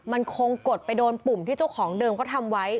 มันคงกดไปโดนปุ่มที่เจ้าของเดิมเขาทำไว้